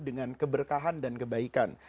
dan keberkahan dan kebaikan